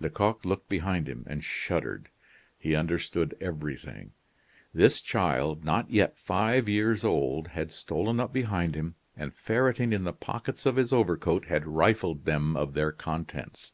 Lecoq looked behind him, and shuddered. He understood everything. This child not yet five years old had stolen up behind him, and, ferreting in the pockets of his overcoat, had rifled them of their contents.